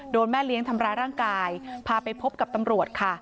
แม่เลี้ยงทำร้ายร่างกายพาไปพบกับตำรวจค่ะ